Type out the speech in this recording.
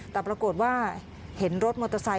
แต่ปรากฏว่าเห็นรถมอโตซัย